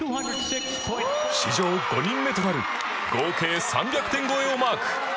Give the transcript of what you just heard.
史上５人目となる合計３００点超えをマーク。